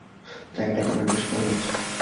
জায়গাটা একেবারেই নিষ্প্রাণ লাগছে।